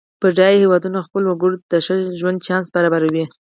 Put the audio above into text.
بډایه هېوادونه خپلو وګړو ته د ښه ژوند چانس برابروي.